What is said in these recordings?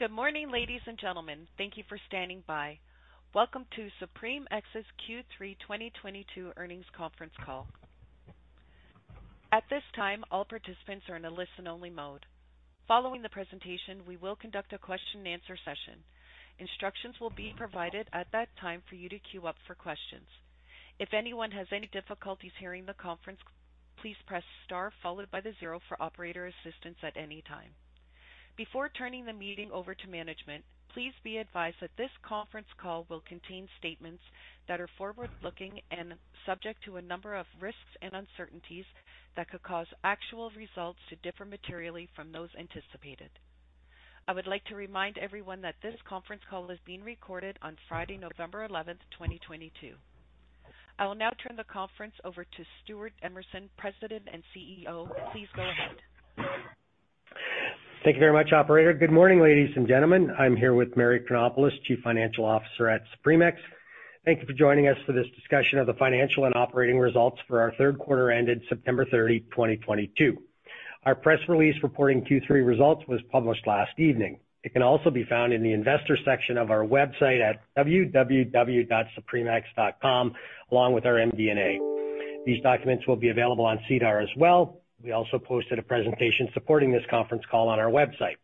Good morning, ladies and gentlemen. Thank you for standing by. Welcome to SupremeX's Q3 2022 Earnings Conference Call. At this time, all participants are in a listen-only mode. Following the presentation, we will conduct a question-and-answer session. Instructions will be provided at that time for you to queue up for questions. If anyone has any difficulties hearing the conference, please press star followed by the zero for operator assistance at any time. Before turning the meeting over to management, please be advised that this conference call will contain statements that are forward-looking and subject to a number of risks and uncertainties that could cause actual results to differ materially from those anticipated. I would like to remind everyone that this conference call is being recorded on Friday, November 11th, 2022. I will now turn the conference over to Stewart Emerson, President and CEO. Please go ahead. Thank you very much, operator. Good morning, ladies and gentlemen. I'm here with Mary Chronopoulos, Chief Financial Officer at SupremeX. Thank you for joining us for this discussion of the financial and operating results for our third quarter ended September 30, 2022. Our press release reporting Q3 results was published last evening. It can also be found in the investor section of our website at www.supremex.com along with our MD&A. These documents will be available on SEDAR as well. We also posted a presentation supporting this conference call on our website.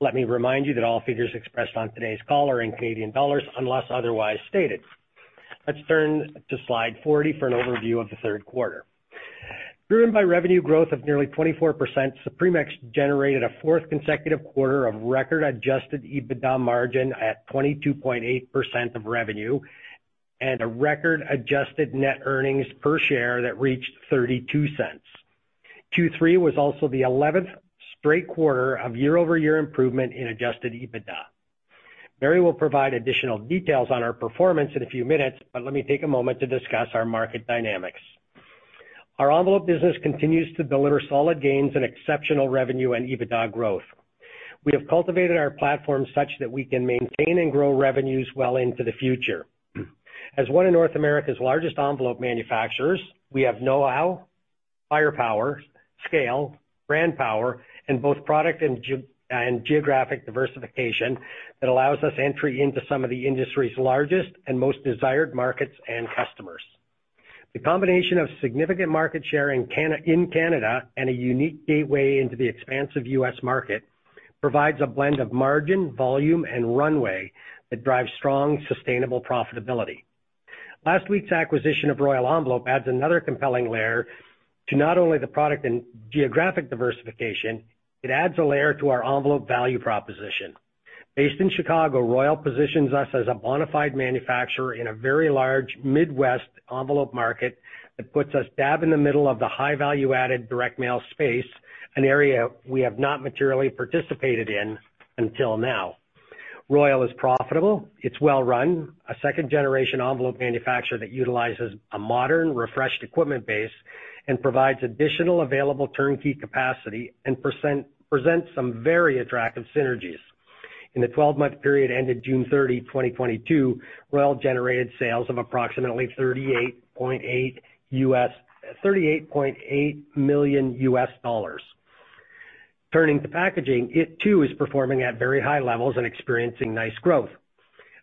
Let me remind you that all figures expressed on today's call are in Canadian dollars, unless otherwise stated. Let's turn to slide 40 for an overview of the third quarter. Driven by revenue growth of nearly 24%, SupremeX generated a fourth consecutive quarter of record adjusted EBITDA margin at 22.8% of revenue and a record adjusted net earnings per share that reached 0.32. Q3 was also the eleventh straight quarter of year-over-year improvement in adjusted EBITDA. Mary will provide additional details on our performance in a few minutes, but let me take a moment to discuss our market dynamics. Our envelope business continues to deliver solid gains and exceptional revenue and EBITDA growth. We have cultivated our platform such that we can maintain and grow revenues well into the future. As one of North America's largest envelope manufacturers, we have know-how, firepower, scale, brand power, and both product and geographic diversification that allows us entry into some of the industry's largest and most desired markets and customers. The combination of significant market share in Canada and a unique gateway into the expansive U.S. market provides a blend of margin, volume, and runway that drives strong, sustainable profitability. Last week's acquisition of Royal Envelope adds another compelling layer to not only the product and geographic diversification, it adds a layer to our envelope value proposition. Based in Chicago, Royal positions us as a bona fide manufacturer in a very large Midwest envelope market that puts us dab in the middle of the high value-added direct mail space, an area we have not materially participated in until now. Royal is profitable. It's well run. A second-generation envelope manufacturer that utilizes a modern, refreshed equipment base and provides additional available turnkey capacity and presents some very attractive synergies. In the 12-month period ended June 30, 2022, Royal generated sales of approximately $38.8 million. Turning to packaging, it too is performing at very high levels and experiencing nice growth.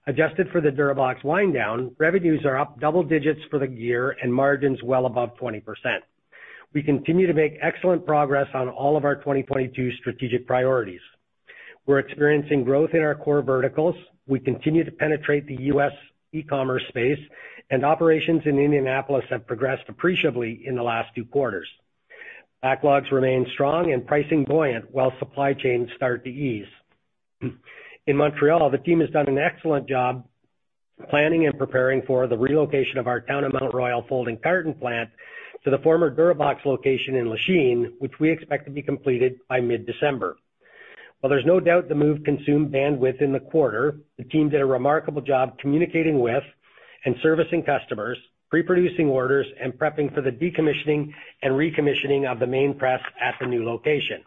Adjusted for the Durabox wind down, revenues are up double digits for the year and margins well above 20%. We continue to make excellent progress on all of our 2022 strategic priorities. We're experiencing growth in our core verticals. We continue to penetrate the U.S. e-commerce space, and operations in Indianapolis have progressed appreciably in the last two quarters. Backlogs remain strong and pricing buoyant while supply chains start to ease. In Montreal, the team has done an excellent job planning and preparing for the relocation of our Town of Mount Royal folding carton plant to the former Durabox location in Lachine, which we expect to be completed by mid-December. While there's no doubt the move consumed bandwidth in the quarter, the team did a remarkable job communicating with and servicing customers, pre-producing orders, and prepping for the decommissioning and recommissioning of the main press at the new location.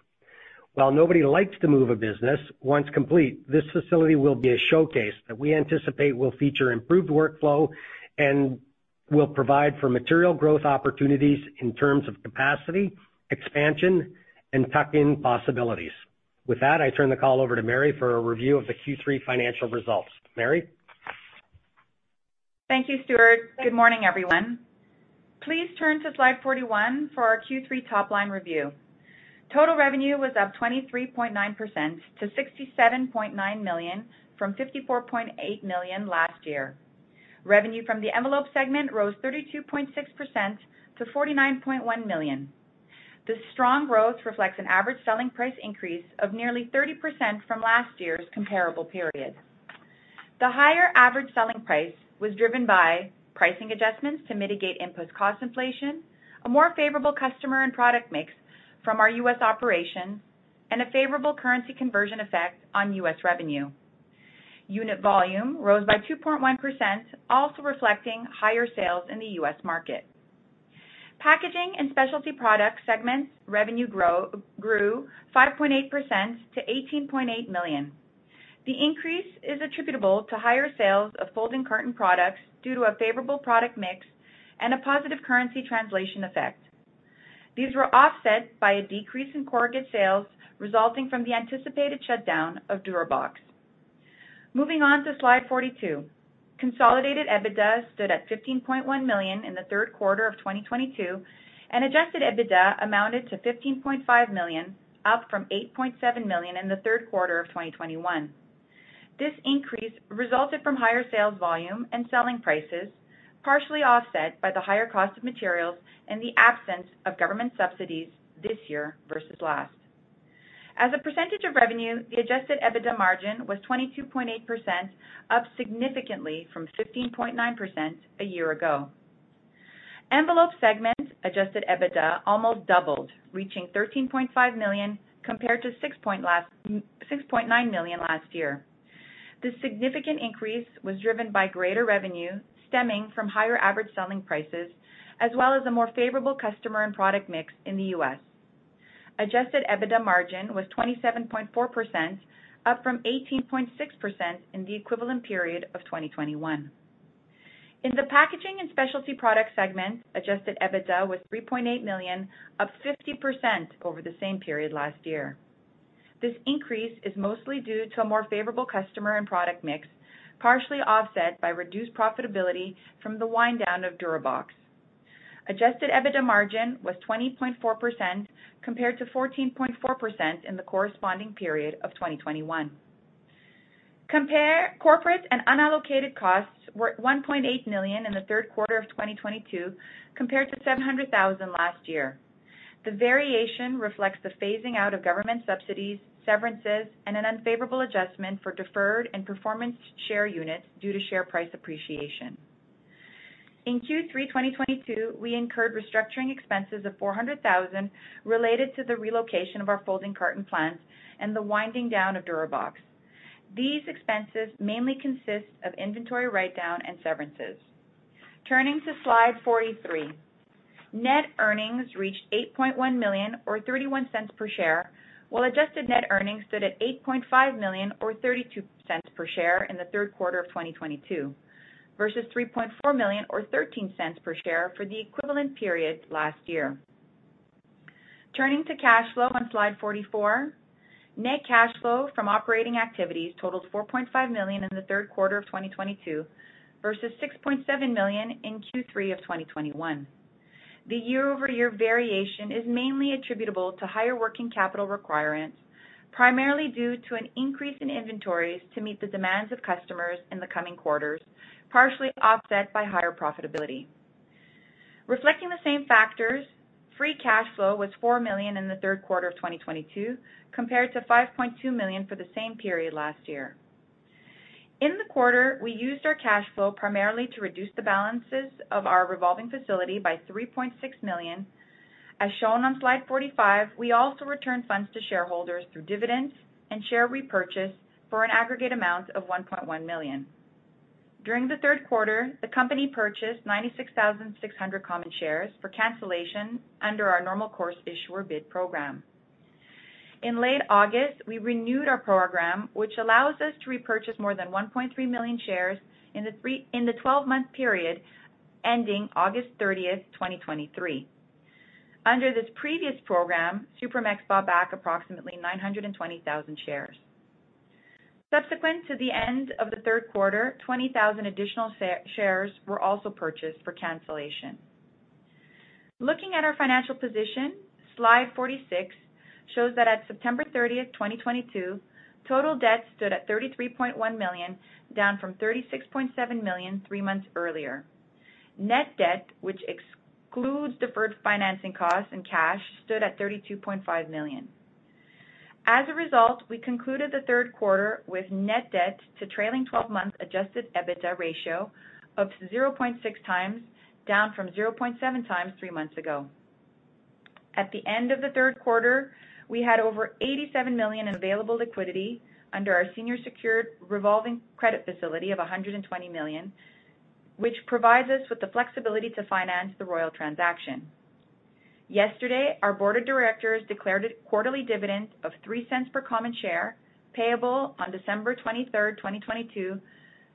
While nobody likes to move a business, once complete, this facility will be a showcase that we anticipate will feature improved workflow and will provide for material growth opportunities in terms of capacity, expansion, and tuck-in possibilities. With that, I turn the call over to Mary for a review of the Q3 financial results. Mary? Thank you, Stewart. Good morning, everyone. Please turn to slide 41 for our Q3 top-line review. Total revenue was up 23.9%-CAD 67.9 million from 54.8 million last year. Revenue from the envelope segment rose 32.6%-CAD 49.1 million. The strong growth reflects an average selling price increase of nearly 30% from last year's comparable period. The higher average selling price was driven by pricing adjustments to mitigate input cost inflation, a more favorable customer and product mix from our US operations, and a favorable currency conversion effect on US revenue. Unit volume rose by 2.1%, also reflecting higher sales in the US market. Packaging and specialty product segments revenue grew 5.8%-CAD 18.8 million. The increase is attributable to higher sales of folding carton products due to a favorable product mix and a positive currency translation effect. These were offset by a decrease in corrugated sales resulting from the anticipated shutdown of Durabox. Moving on to slide 42. Consolidated EBITDA stood at 15.1 million in the third quarter of 2022, and adjusted EBITDA amounted to 15.5 million, up from 8.7 million in the third quarter of 2021. This increase resulted from higher sales volume and selling prices, partially offset by the higher cost of materials and the absence of government subsidies this year versus last. As a percentage of revenue, the adjusted EBITDA margin was 22.8%, up significantly from 15.9% a year ago. Envelope segment Adjusted EBITDA almost doubled, reaching 13.5 million compared to 6.9 million last year. This significant increase was driven by greater revenue stemming from higher average selling prices, as well as a more favorable customer and product mix in the U.S. Adjusted EBITDA margin was 27.4%, up from 18.6% in the equivalent period of 2021. In the packaging and specialty product segment, Adjusted EBITDA was 3.8 million, up 50% over the same period last year. This increase is mostly due to a more favorable customer and product mix, partially offset by reduced profitability from the wind down of Durabox. Adjusted EBITDA margin was 20.4% compared to 14.4% in the corresponding period of 2021. Corporate and unallocated costs were at 1.8 million in the third quarter of 2022 compared to 700,000 last year. The variation reflects the phasing out of government subsidies, severances, and an unfavorable adjustment for deferred and performance share units due to share price appreciation. In Q3 2022, we incurred restructuring expenses of 400,000 related to the relocation of our folding carton plants and the winding down of Durabox. These expenses mainly consist of inventory write-down and severances. Turning to slide 43, net earnings reached 8.1 million or 0.31 per share, while adjusted net earnings stood at 8.5 million or 0.32 per share in the third quarter of 2022 versus 3.4 million or 0.13 per share for the equivalent period last year. Turning to cash flow on slide 44, net cash flow from operating activities totaled 4.5 million in the third quarter of 2022 versus 6.7 million in Q3 of 2021. The year-over-year variation is mainly attributable to higher working capital requirements, primarily due to an increase in inventories to meet the demands of customers in the coming quarters, partially offset by higher profitability. Reflecting the same factors, free cash flow was 4 million in the third quarter of 2022 compared to 5.2 million for the same period last year. In the quarter, we used our cash flow primarily to reduce the balances of our revolving facility by 3.6 million. As shown on slide 45, we also returned funds to shareholders through dividends and share repurchase for an aggregate amount of 1.1 million. During the third quarter, the company purchased 96,600 common shares for cancellation under our Normal Course Issuer Bid program. In late August, we renewed our program, which allows us to repurchase more than 1.3 million shares in the twelve-month period ending August 30, 2023. Under this previous program, SupremeX bought back approximately 920,000 shares. Subsequent to the end of the third quarter, 20,000 additional shares were also purchased for cancellation. Looking at our financial position, slide 46 shows that at September 30, 2022, total debt stood at 33.1 million, down from 36.7 million three months earlier. Net debt, which excludes deferred financing costs and cash, stood at 32.5 million. As a result, we concluded the third quarter with net debt to trailing twelve-month adjusted EBITDA ratio of 0.6x, down from 0.7x three months ago. At the end of the third quarter, we had over 87 million in available liquidity under our senior secured revolving credit facility of 120 million, which provides us with the flexibility to finance the Royal transaction. Yesterday, our board of directors declared a quarterly dividend of 0.03 per common share, payable on December 23rd, 2022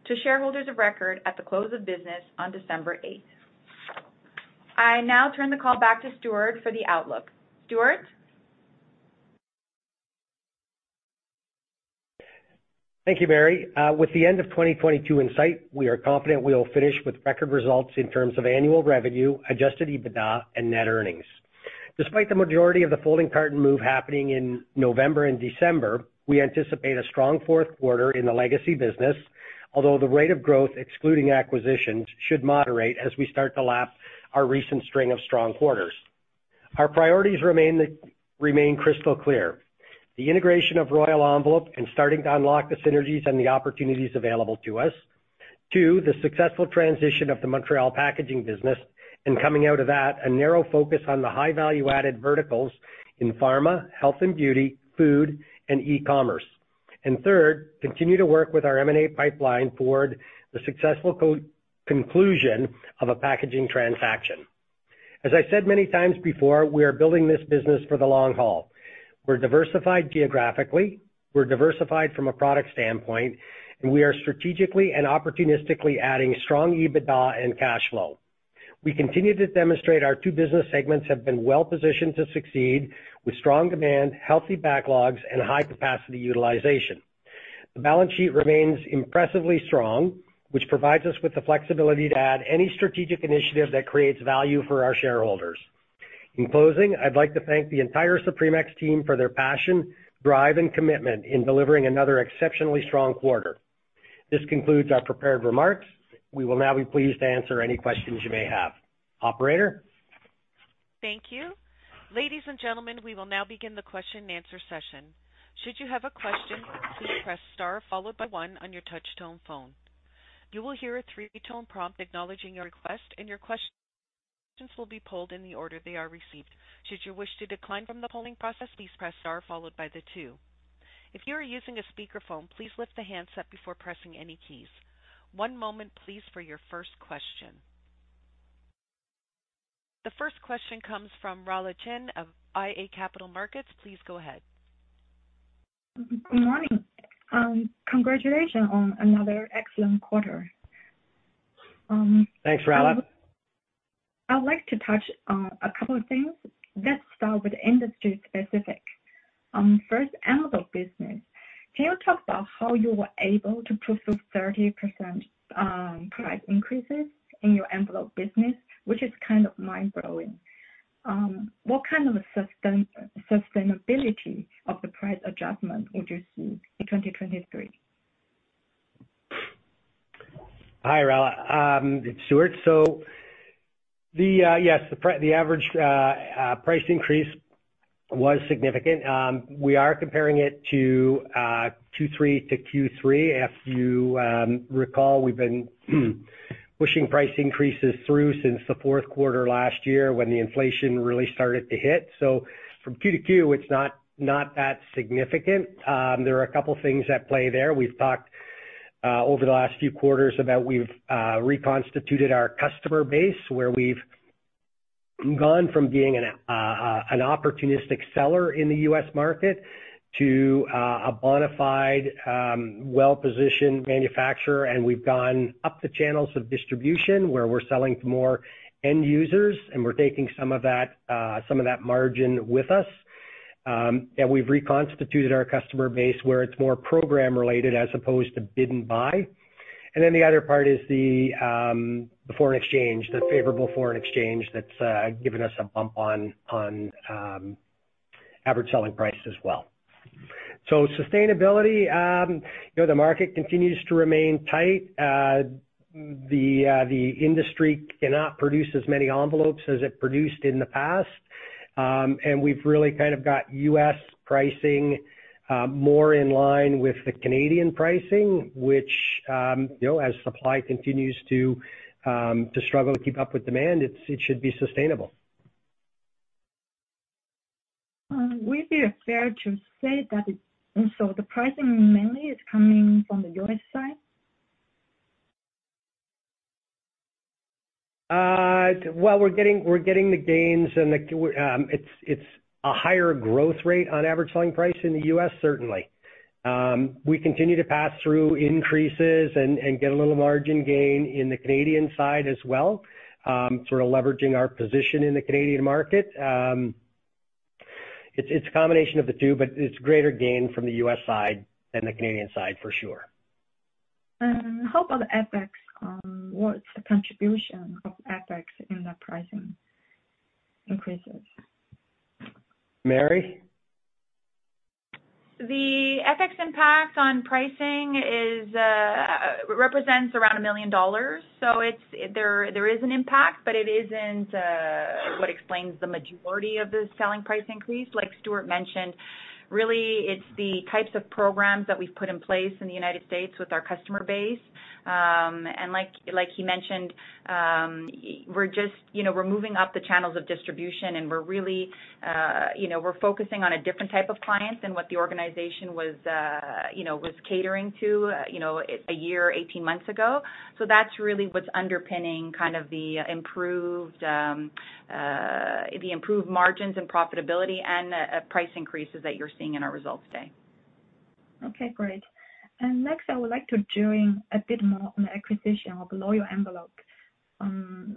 to shareholders of record at the close of business on December 8. I now turn the call back to Stewart for the outlook. Stewart? Thank you, Mary. With the end of 2022 in sight, we are confident we will finish with record results in terms of annual revenue, adjusted EBITDA, and net earnings. Despite the majority of the folding carton move happening in November and December, we anticipate a strong fourth quarter in the legacy business, although the rate of growth, excluding acquisitions, should moderate as we start to lap our recent string of strong quarters. Our priorities remain crystal clear. The integration of Royal Envelope and starting to unlock the synergies and the opportunities available to us. Two, the successful transition of the Montreal packaging business, and coming out of that, a narrow focus on the high value-added verticals in pharma, health and beauty, food, and e-commerce. Third, continue to work with our M&A pipeline toward the successful co-conclusion of a packaging transaction. As I said many times before, we are building this business for the long haul. We're diversified geographically, we're diversified from a product standpoint, and we are strategically and opportunistically adding strong EBITDA and cash flow. We continue to demonstrate our two business segments have been well-positioned to succeed with strong demand, healthy backlogs, and high capacity utilization. The balance sheet remains impressively strong, which provides us with the flexibility to add any strategic initiative that creates value for our shareholders. In closing, I'd like to thank the entire SupremeX team for their passion, drive, and commitment in delivering another exceptionally strong quarter. This concludes our prepared remarks. We will now be pleased to answer any questions you may have. Operator? Thank you. Ladies and gentlemen, we will now begin the question-and-answer session. Should you have a question, please press star followed by one on your touch-tone phone. You will hear a three-tone prompt acknowledging your request, and your questions will be pulled in the order they are received. Should you wish to decline from the polling process, please press star followed by the two. If you are using a speakerphone, please lift the handset before pressing any keys. One moment please for your first question. The first question comes from Rola Geneid of iA Capital Markets. Please go ahead. Good morning. Congratulations on another excellent quarter. Thanks, Rola. I would like to touch on a couple of things. Let's start with industry-specific. First, envelope business. Can you talk about how you were able to pursue 30% price increases in your envelope business, which is kind of mind-blowing? What kind of sustainability of the price adjustment would you see in 2023? Hi, Rola, it's Stewart. Yes, the average price increase was significant. We are comparing it to Q3 to Q3. As you recall, we've been pushing price increases through since the fourth quarter last year when the inflation really started to hit. From Q to Q, it's not that significant. There are a couple of things at play there. We've talked over the last few quarters about we've reconstituted our customer base, where we've gone from being an opportunistic seller in the U.S. market to a bona fide well-positioned manufacturer. We've gone up the channels of distribution where we're selling to more end users, and we're taking some of that margin with us. We've reconstituted our customer base where it's more program related as opposed to bid and buy. Then the other part is the foreign exchange, the favorable foreign exchange that's given us a bump on average selling price as well. Sustainability, you know, the market continues to remain tight. The industry cannot produce as many envelopes as it produced in the past. We've really kind of got U.S. pricing more in line with the Canadian pricing, which you know, as supply continues to struggle to keep up with demand, it should be sustainable. The pricing mainly is coming from the U.S. side? Well, we're getting the gains and it's a higher growth rate on average selling price in the U.S., certainly. We continue to pass through increases and get a little margin gain in the Canadian side as well, sort of leveraging our position in the Canadian market. It's a combination of the two, but it's greater gain from the U.S. side than the Canadian side for sure. How about FX? What's the contribution of FX in the pricing increases? Mary? The FX impact on pricing represents around 1 million dollars. There is an impact, but it isn't what explains the majority of the selling price increase. Like Stewart mentioned, really, it's the types of programs that we've put in place in the United States with our customer base. And like he mentioned, we're just, you know, we're moving up the channels of distribution, and we're really, you know, we're focusing on a different type of client than what the organization was catering to, you know, a year, 18 months ago. That's really what's underpinning kind of the improved margins and profitability and price increases that you're seeing in our results today. Okay, great. Next, I would like to drill in a bit more on the acquisition of Royal Envelope.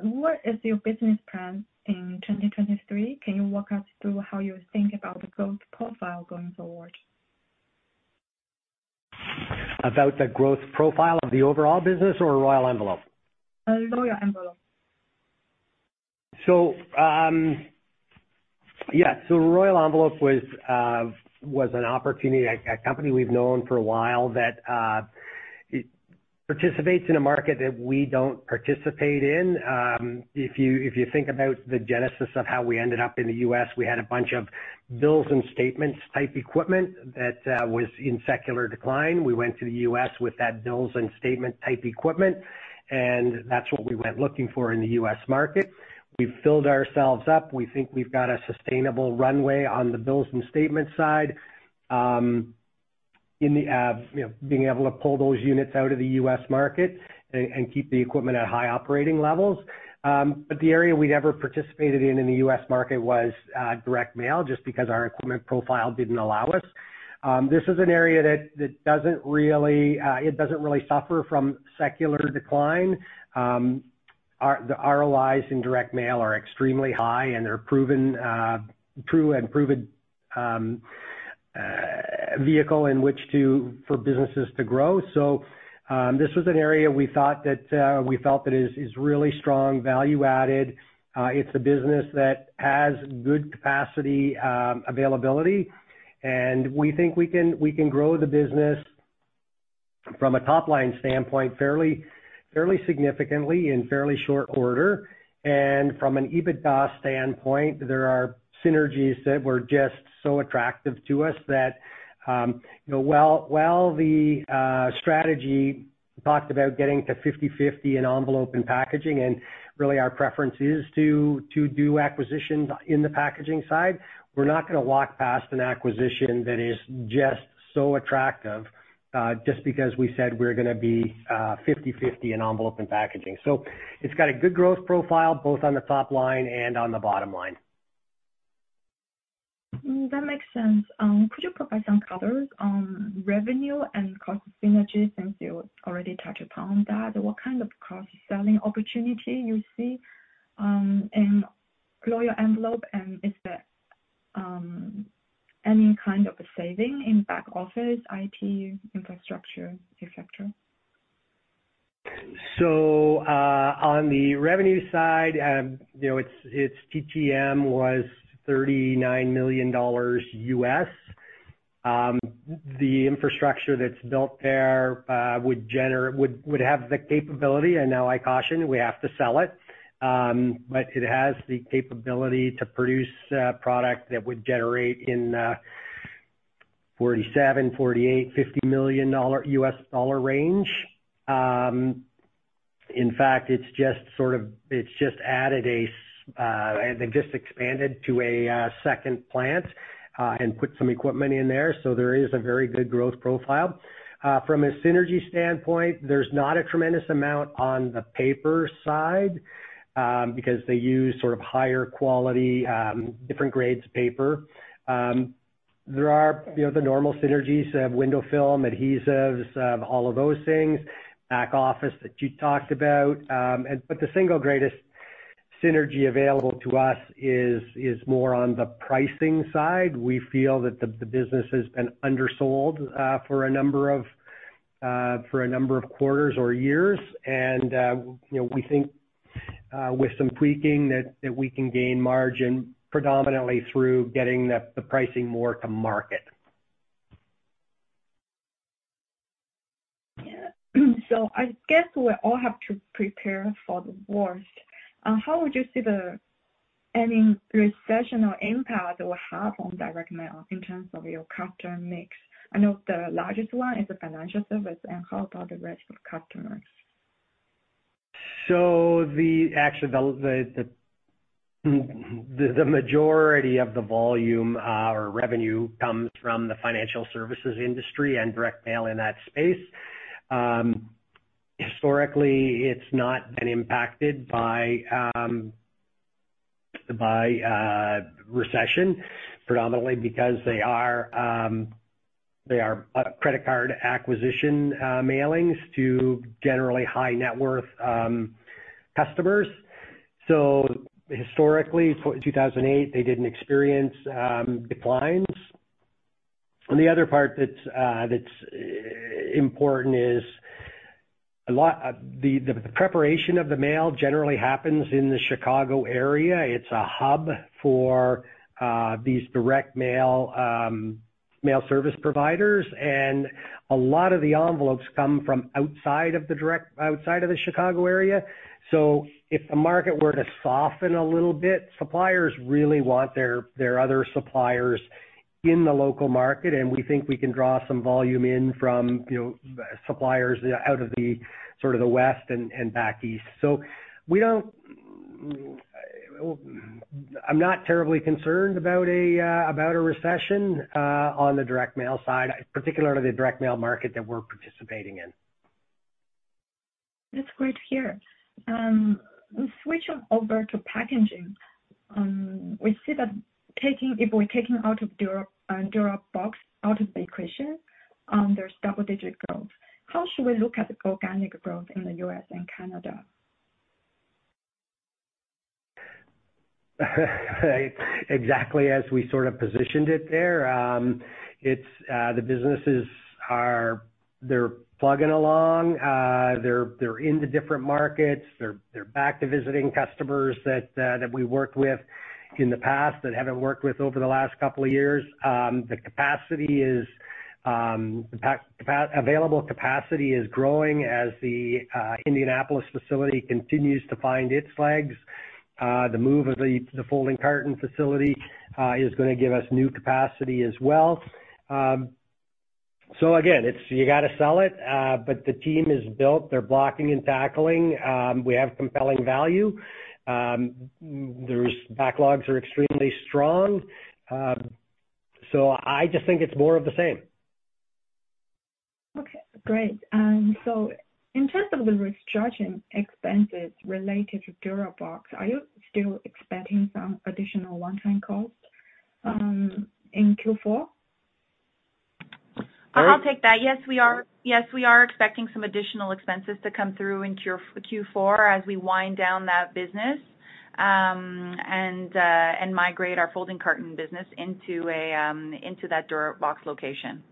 What is your business plan in 2023? Can you walk us through how you think about the growth profile going forward? About the growth profile of the overall business or Royal Envelope? Royal Envelope. Yeah. Royal Envelope was an opportunity, a company we've known for a while that participates in a market that we don't participate in. If you think about the genesis of how we ended up in the U.S., we had a bunch of bills and statements type equipment that was in secular decline. We went to the U.S. with that bills and statement type equipment, and that's what we went looking for in the U.S. market. We've filled ourselves up. We think we've got a sustainable runway on the bills and statements side. In the you know being able to pull those units out of the U.S. market and keep the equipment at high operating levels. The area we never participated in in the U.S. market was direct mail, just because our equipment profile didn't allow us. This is an area that doesn't really suffer from secular decline. Our ROI in direct mail are extremely high, and they're tried and proven vehicle for businesses to grow. This was an area we thought that we felt that is really strong value added. It's a business that has good capacity, availability, and we think we can grow the business from a top-line standpoint fairly significantly in fairly short order. From an EBITDA standpoint, there are synergies that were just so attractive to us that, you know, while the strategy talked about getting to 50/50 in envelope and packaging, and really our preference is to do acquisitions in the packaging side, we're not gonna walk past an acquisition that is just so attractive, just because we said we're gonna be 50/50 in envelope and packaging. It's got a good growth profile both on the top line and on the bottom line. That makes sense. Could you provide some colors on revenue and cost synergies since you already touched upon that? What kind of cross-selling opportunity you see in Royal Envelope and is there any kind of a saving in back office, IT infrastructure, et cetera? On the revenue side, you know, its TTM was $39 million. The infrastructure that's built there would have the capability, and now I caution we have to sell it, but it has the capability to produce product that would generate in $47 million, $48 millon, $50 million US dollar range. In fact, they just expanded to a second plant and put some equipment in there, so there is a very good growth profile. From a synergy standpoint, there's not a tremendous amount on the paper side, because they use sort of higher quality different grades of paper. There are, you know, the normal synergies of window film, adhesives, all of those things, back office that you talked about. The single greatest synergy available to us is more on the pricing side. We feel that the business has been undersold for a number of quarters or years. You know, we think with some tweaking that we can gain margin predominantly through getting the pricing more to market. I guess we all have to prepare for the worst. How would you see any recession or impact it will have on direct mail in terms of your customer mix? I know the largest one is the financial services, and how about the rest of customers? Actually, the majority of the volume or revenue comes from the financial services industry and direct mail in that space. Historically, it's not been impacted by recession, predominantly because they are credit card acquisition mailings to generally high net worth customers. Historically, 2008, they didn't experience declines. The other part that's important is the preparation of the mail generally happens in the Chicago area. It's a hub for these direct mail mail service providers, and a lot of the envelopes come from outside of the Chicago area. If the market were to soften a little bit, suppliers really want their other suppliers in the local market, and we think we can draw some volume in from, you know, suppliers out of the sort of the west and back east. I'm not terribly concerned about a recession on the direct mail side, particularly the direct mail market that we're participating in. That's great to hear. Switching over to packaging. If we're taking Durabox out of the equation, there's double-digit growth. How should we look at the organic growth in the U.S. and Canada? Exactly as we sort of positioned it there. It's the businesses are. They're plugging along. They're in the different markets. They're back to visiting customers that we worked with in the past that haven't worked with over the last couple of years. The available capacity is growing as the Indianapolis facility continues to find its legs. The move of the folding carton facility is gonna give us new capacity as well. Again, it's you gotta sell it, but the team is built. They're blocking and tackling. We have compelling value. Their backlogs are extremely strong. I just think it's more of the same. Great. In terms of the restructuring expenses related to Durabox, are you still expecting some additional one time costs in Q4? I'll take that. Yes, we are expecting some additional expenses to come through in Q4 as we wind down that business, and migrate our folding carton business into that DuraBox location.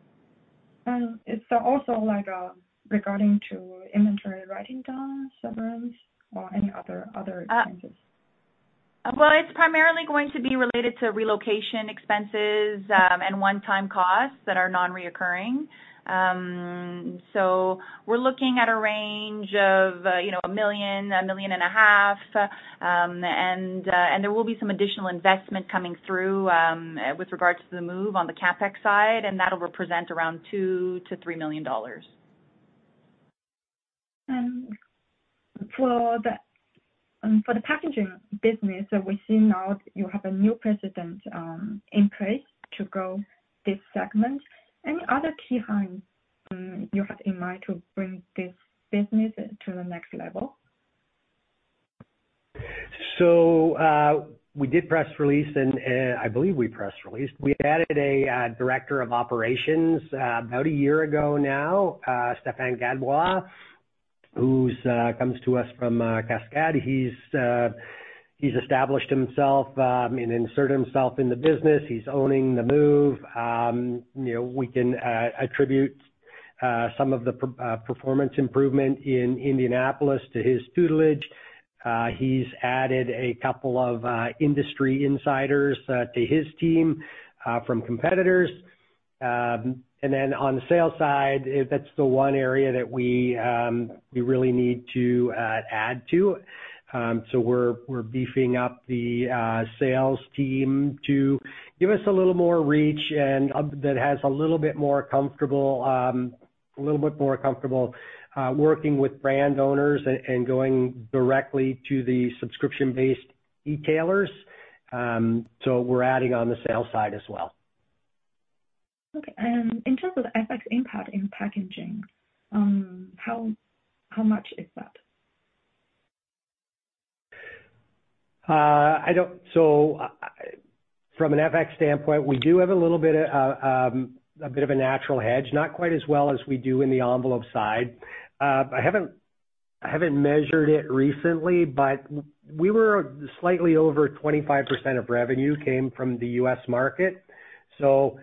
Is there also like, regarding to inventory write-down severance or any other expenses? Well, it's primarily going to be related to relocation expenses, and one-time costs that are non-recurring. We're looking at a range of, you know, 1 million-1.5 million. There will be some additional investment coming through, with regards to the move on the CapEx side, and that'll represent around 2 million-3 million dollars. For the packaging business that we see now, you have a new president in place to grow this segment. Any other key hires you have in mind to bring this business to the next level? We did a press release and I believe we press released. We added a Director of Operations about a year ago now, Stéphane Gadbois, who comes to us from Cascades. He's established himself and inserted himself in the business. He's owning the move. You know, we can attribute some of the performance improvement in Indianapolis to his tutelage. He's added a couple of industry insiders to his team from competitors. On the sales side, that's the one area that we really need to add to. We're beefing up the sales team to give us a little more reach and that are a little bit more comfortable working with brand owners and going directly to the subscription-based retailers. We're adding on the sales side as well. Okay. In terms of the FX impact in packaging, how much is that? From an FX standpoint, we do have a little bit of a natural hedge, not quite as well as we do in the envelope side. I haven't measured it recently, but we were slightly over 25% of revenue came from the U.S. market. Your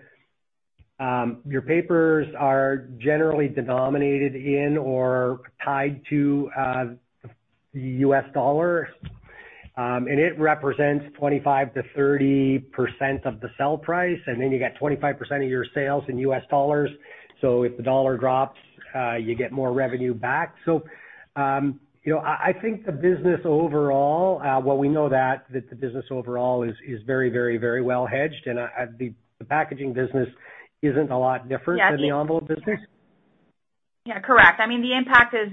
papers are generally denominated in or tied to the U.S. dollar, and it represents 25%-30% of the sell price. You got 25% of your sales in U.S. dollars. If the dollar drops, you get more revenue back. You know, I think the business overall, well, we know that the business overall is very well hedged. The packaging business isn't a lot different than the envelope business. Yeah. Correct. I mean, the impact is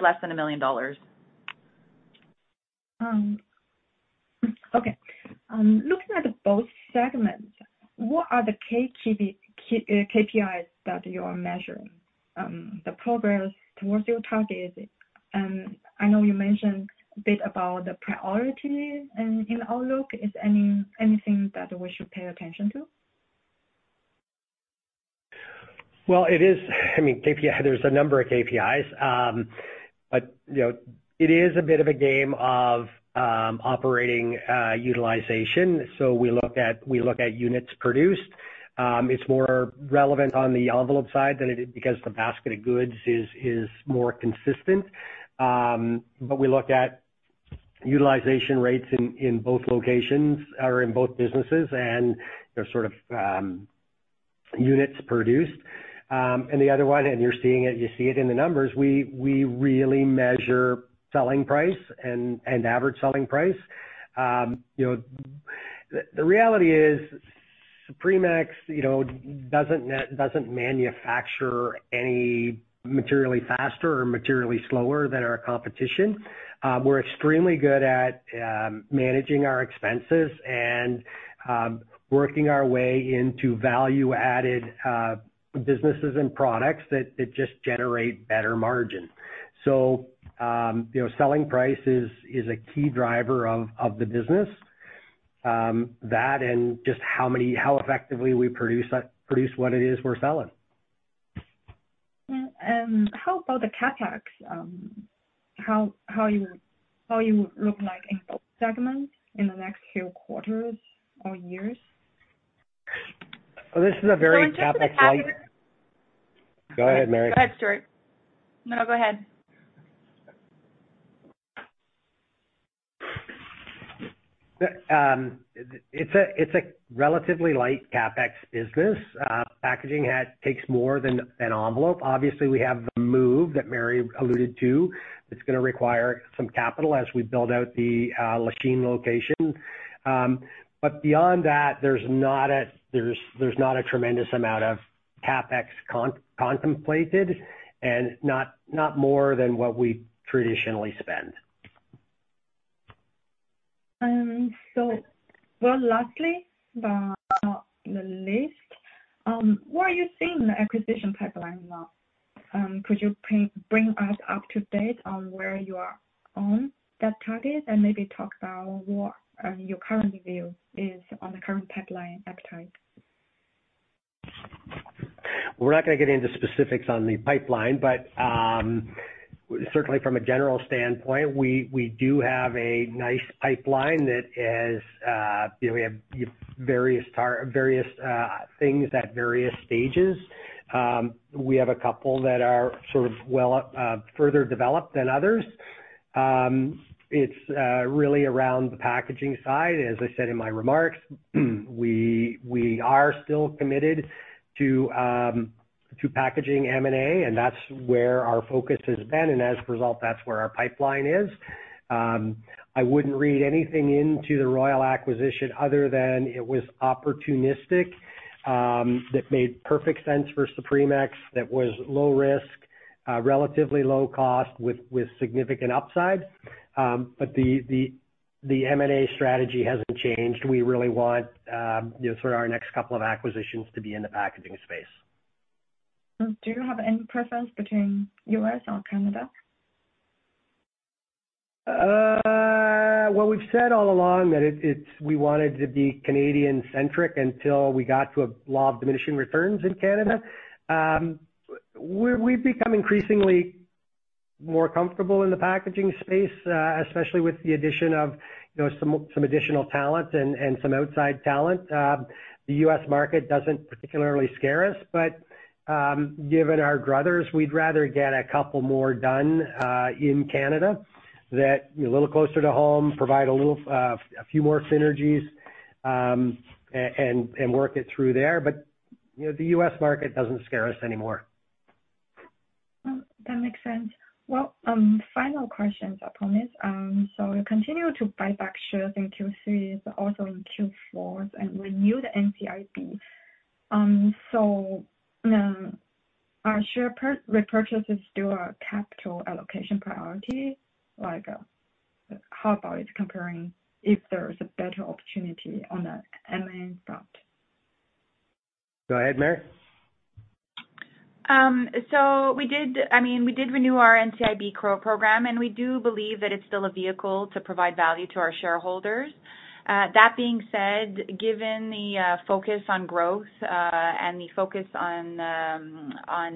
less than 1 million dollars. Okay. Looking at both segments, what are the key KPIs that you are measuring, the progress towards your target? I know you mentioned a bit about the priorities and the outlook. Is anything that we should pay attention to? Well, it is, I mean, KPIs. There's a number of KPIs. You know, it is a bit of a game of operating utilization. We look at units produced. It's more relevant on the envelope side than it is because the basket of goods is more consistent. We look at utilization rates in both locations or in both businesses and the sort of units produced. The other one, you see it in the numbers. We really measure selling price and average selling price. You know, the reality is SupremeX doesn't manufacture any materially faster or materially slower than our competition. We're extremely good at managing our expenses and working our way into value-added businesses and products that just generate better margin. You know, selling price is a key driver of the business. That and just how effectively we produce what it is we're selling. How about the CapEx? How you look like in both segments in the next few quarters or years? This is a very CapEx light... Go ahead, Mary. Go ahead, Stewart. No, go ahead. It's a relatively light CapEx business. Packaging takes more than an envelope. Obviously, we have the move that Mary alluded to, that's gonna require some capital as we build out the Lachine location. Beyond that, there's not a tremendous amount of CapEx contemplated and not more than what we traditionally spend. Well, lastly, but not the least, where are you seeing the acquisition pipeline now? Could you bring us up to date on where you are on that target and maybe talk about what your current view is on the current pipeline appetite? We're not gonna get into specifics on the pipeline, but certainly from a general standpoint, we do have a nice pipeline that has, you know, we have various things at various stages. We have a couple that are sort of well, further developed than others. It's really around the packaging side. As I said in my remarks, we are still committed to packaging M&A, and that's where our focus has been. As a result, that's where our pipeline is. I wouldn't read anything into the Royal acquisition other than it was opportunistic, that made perfect sense for SupremeX. That was low risk, relatively low cost with significant upside. The M&A strategy hasn't changed. We really want, you know, sort of our next couple of acquisitions to be in the packaging space. Do you have any preference between U.S. or Canada? Well, we've said all along that it's what we wanted to be Canadian centric until we got to a law of diminishing returns in Canada. We've become increasingly more comfortable in the packaging space, especially with the addition of, you know, some additional talent and some outside talent. The U.S. market doesn't particularly scare us. Given our druthers, we'd rather get a couple more done in Canada that, you know, a little closer to home, provide a little, a few more synergies, and work it through there. You know, the U.S. market doesn't scare us anymore. That makes sense. Well, final question, I promise. You continue to buy back shares in Q3, but also in Q4 and renew the NCIB. Are share repurchases still a capital allocation priority? Like, how about comparing if there's a better opportunity on the M&A front? Go ahead, Mary. I mean, we did renew our NCIB program, and we do believe that it's still a vehicle to provide value to our shareholders. That being said, given the focus on growth and the focus on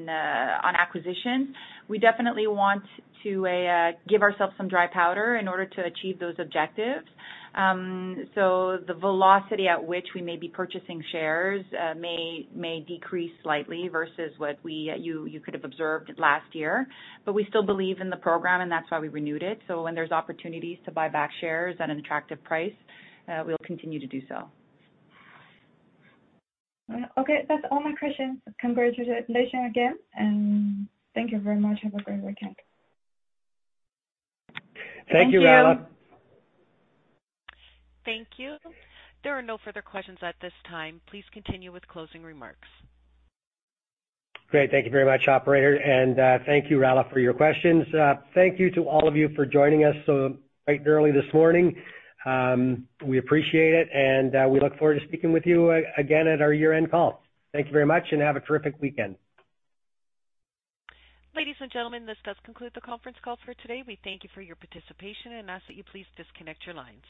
acquisition, we definitely want to give ourselves some dry powder in order to achieve those objectives. The velocity at which we may be purchasing shares may decrease slightly versus what you could have observed last year. We still believe in the program, and that's why we renewed it. When there's opportunities to buy back shares at an attractive price, we'll continue to do so. Okay. That's all my questions. Congratulations again, and thank you very much. Have a great weekend. Thank you, Rola. Thank you. There are no further questions at this time. Please continue with closing remarks. Great. Thank you very much, operator. Thank you, Rola, for your questions. Thank you to all of you for joining us so bright and early this morning. We appreciate it, and we look forward to speaking with you again at our year-end call. Thank you very much and have a terrific weekend. Ladies and gentlemen, this does conclude the conference call for today. We thank you for your participation and ask that you please disconnect your lines.